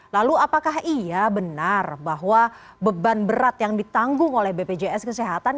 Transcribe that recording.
lalu apakah iya benar bahwa beban berat yang ditanggung oleh bpjs kesehatan